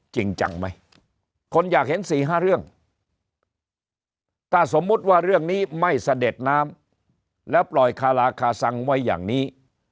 จริงจังไหมคนอยากเห็น๔๕เรื่องถ้าสมมุติว่าเรื่องนี้ไม่เสด็จน้ำแล้วปล่อยคาราคาซังไว้อย่างนี้